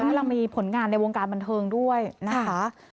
แล้วเรามีผลงานในวงการบันเทิงด้วยนะคะ